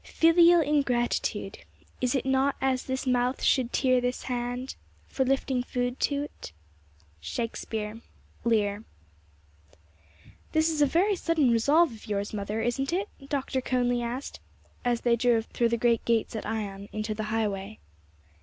"Filial ingratitude? Is it not as this mouth should tear this hand For lifting food to 't?" Shaks. Lear. "This is a very sudden resolve of yours, mother, isn't it?" Dr. Conly asked, as they drove through the great gates at Ion, into the highway.